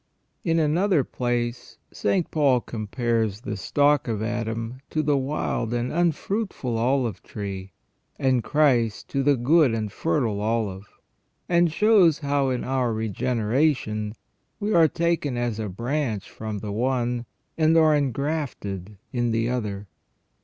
In another place St. Paul compares the stock of Adam to the wild and unfruitful olive tree, and Christ to the good and fertile olive, and shows how in our regeneration we are taken as a branch firom the one, and are engrafted in the other.